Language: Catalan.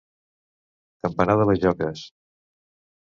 Campanar de bajoques.